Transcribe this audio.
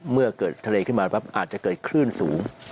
เมื่อเกิดทะเลขึ้นมาปั๊บอาจจะเกิดคลื่นสูง